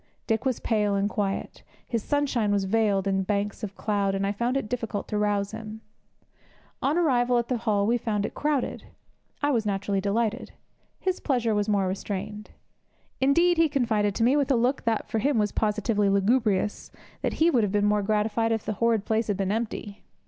Dick was pale and quiet; his sunshine was veiled in banks of cloud, and I found it difficult to rouse him. On arrival at the hall we found it crowded. I was naturally delighted; his pleasure was more restrained. Indeed, he confided to me, with a look that, for him, was positively lugubrious, that he would have been more gratified if the horrid place had been empty.